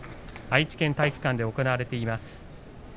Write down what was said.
愛知県体育館で行われています。